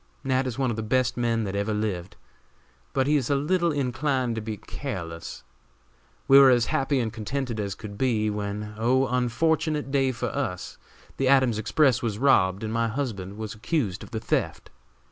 Nat. is one of the best men that ever lived, but he is a little inclined to be careless. We were as happy and contented as could be, when oh! unfortunate day for us! the Adams Express was robbed and my husband was accused of the theft.